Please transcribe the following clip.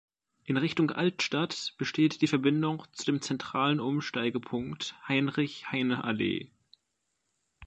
In Richtung Altstadt besteht die Verbindung zu dem zentralen Umsteigepunkt Heinrich-Heine-Allee.